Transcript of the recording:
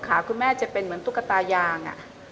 คุณแม่จะเป็นเหมือนตุ๊กตายาง